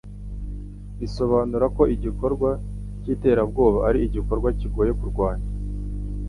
risobanura ko igikorwa k'iterabwoba ari igikorwa kigoye kurwanya